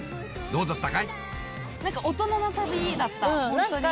どうだったかい？